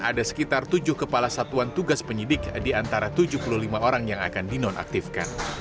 ada sekitar tujuh kepala satuan tugas penyidik di antara tujuh puluh lima orang yang akan dinonaktifkan